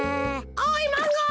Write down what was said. おいマンゴー。